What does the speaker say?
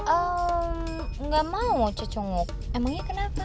ehm gak mau cecungu emangnya kenapa